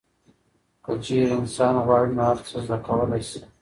که چیرې انسان غواړي نو هر څه زده کولی شي.